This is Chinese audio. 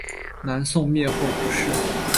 南宋灭后不仕。